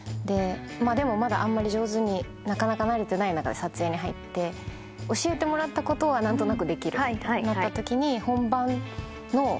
でもまだあんまり上手になかなかなれてない中で撮影に入って教えてもらったことは何となくできるってなった時に。